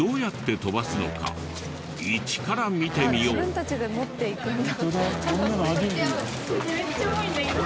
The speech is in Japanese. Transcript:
自分たちで持っていくんだ。